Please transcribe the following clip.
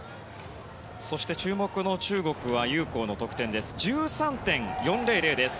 そして注目の中国ユウ・コウの得点です。１３．４００です。